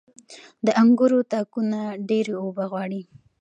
• د انګورو تاکونه ډيرې اوبه غواړي.